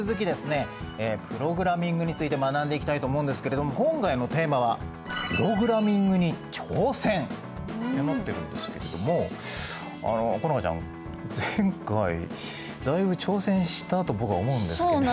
プログラミングについて学んでいきたいと思うんですけれど今回のテーマは「プログラミングに挑戦！」ってなってるんですけれどもあの好花ちゃん前回だいぶ挑戦したと僕は思うんですけれど。